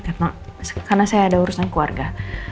karena saya ada urusan keluarga